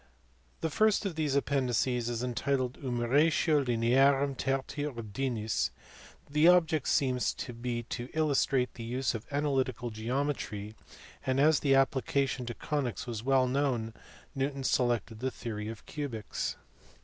The first of these appendices is entitled jBnumeratio Linea rum Tertii Ordinis* , the object seems to be to illustrate the use of analytical geometry, and as the application to conies was well known Newton selected the theory of cubics.